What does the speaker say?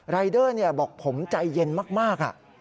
รายเดอร์บอกผมใจเย็นมาก